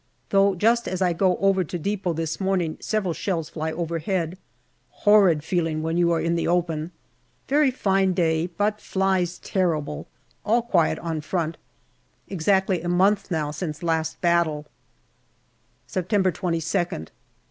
Though just as I go over to depot this morning several shells fly overhead. Horrid feeling when you are in the open. Very fine day, but flies terrible. All quiet on front. Exactly a month now since last battle. September 22nd.